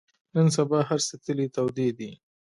نن سبا هر څه تلې تودې دي.